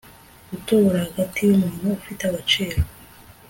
Gutobora hagati yumuntu ufite agaciro